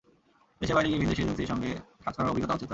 দেশের বাইরে গিয়ে ভিনদেশি এজেন্সির সঙ্গে কাজ করার অভিজ্ঞতাও আছে তাঁর।